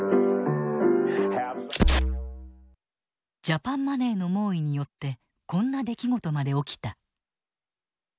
ジャパンマネーの猛威によってこんな出来事まで起きた。